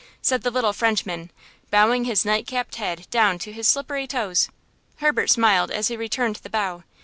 said the little Frenchman, bowing his night capped head down to his slippery toes. Herbert smiled as he returned the bow.